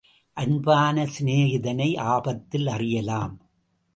அன்பான சிநேகிதனை ஆபத்தில் அறியலாம்.